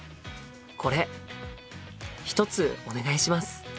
これ１つお願いします。